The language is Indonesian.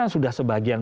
ini yang kemudian